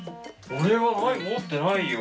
俺はない持ってないよ。